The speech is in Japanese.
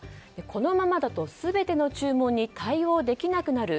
このままだと全ての注文に対応できなくなる。